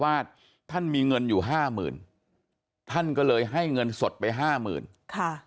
ท่านมีเงินอยู่ห้าหมื่นท่านก็เลยให้เงินสดไปห้าหมื่นค่ะ